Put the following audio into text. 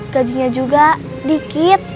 gajinya juga dikit